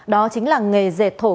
đó chính là nghề dệt thổ